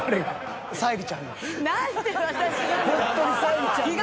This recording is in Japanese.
ほんとに沙莉ちゃんが。